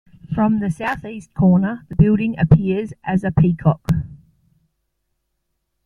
From the southeast corner, the building appears as a peacock.